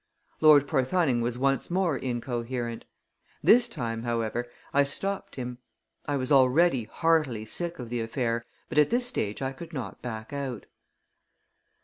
Lord Porthoning was once more incoherent. This time, however, I stopped him. I was already heartily sick of the affair, but at this stage I could not back out.